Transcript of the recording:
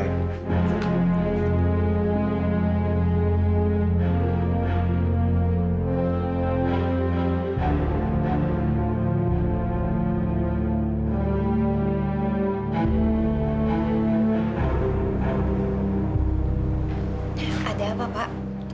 ada apa pak